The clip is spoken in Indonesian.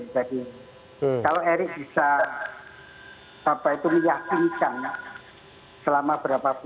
kalau erik bisa apa itu meyakinkan selama berapa bulan ini solid berdampak apa itu